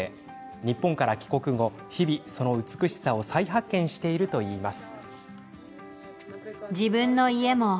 日本から帰国後日々、その美しさを再発見しているといいます。